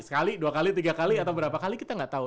sekali dua kali tiga kali atau berapa kali kita nggak tahu